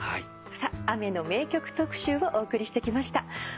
さあ雨の名曲特集をお送りしてきました。